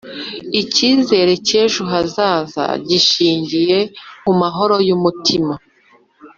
Icyizere cy ejo hazaza gishingiye ku mahoro y umutima